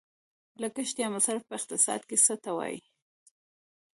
لګښت یا مصرف په اقتصاد کې څه ته وايي؟